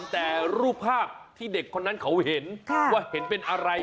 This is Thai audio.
แต่รูปภาพที่เด็กคนนั้นเขาเห็นว่าเห็นเป็นอะไร